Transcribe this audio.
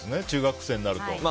中学生になると。